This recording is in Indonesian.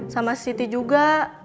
sama siti juga